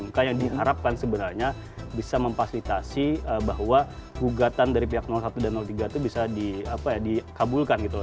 mereka yang diharapkan sebenarnya bisa memfasilitasi bahwa gugatan dari pihak satu dan tiga itu bisa dikabulkan gitu